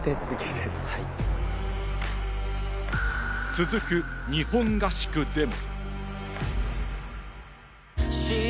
続く日本合宿でも。